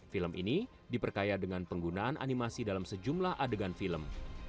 film ini diperkaya dengan penggunaan animasi dalam sejumlah adegan film